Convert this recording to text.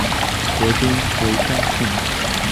国君为姜姓。